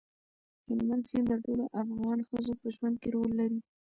هلمند سیند د ټولو افغان ښځو په ژوند کې رول لري.